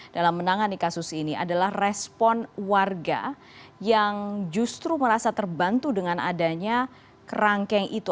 dalam menangani kasus ini adalah respon warga yang justru merasa terbantu dengan adanya kerangkeng itu